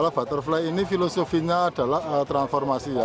butterfly ini filosofinya adalah transformasi ya